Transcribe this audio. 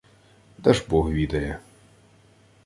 — Дажбог відає...